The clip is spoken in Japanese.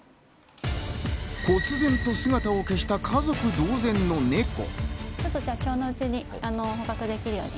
こつぜんと姿を消した家族同然のネコ。